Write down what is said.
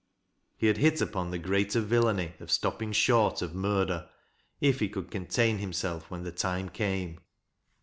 He had hit upon the greater villainy of stoppmg short of murder, if he could contain himself when the time f,ame.